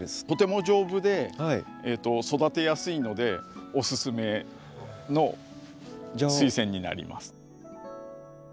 とても丈夫で育てやすいのでおすすめのスイセンになります。